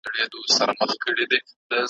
نظامونه هم په دغه رنګ چلیږي ,